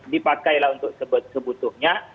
dipakailah untuk sebut sebutnya